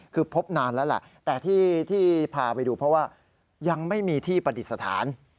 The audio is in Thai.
คือพบนานแล้วแหละแต่ที่พาไปดูเพราะว่ายังไม่มีที่ปฏิสถาน